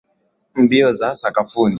Mbio za sakafuni.